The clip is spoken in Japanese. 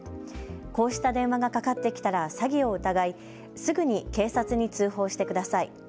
こうした電話がかかってきたら詐欺を疑いすぐに警察に通報してください。